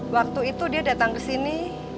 waktu itu dia datang kesini